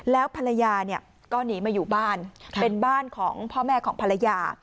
แล้วภรรยาเนี่ยก็หนีมาอยู่บ้านเป็นบ้านของพ่อแม่ของภรรยา